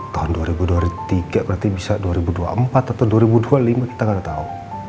tahun dua ribu dua puluh tiga berarti bisa dua ribu dua puluh empat atau dua ribu dua puluh lima kita nggak tahu